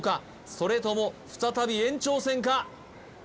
それとも再び延長戦か？